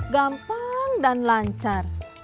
gampang dan lancar